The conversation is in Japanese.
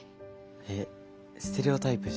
えっステレオタイプじゃん。